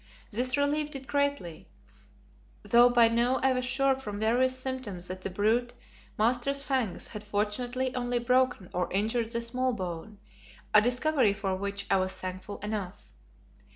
This relieved it greatly, though by now I was sure from various symptoms that the brute Master's fangs had fortunately only broken or injured the small bone, a discovery for which I was thankful enough.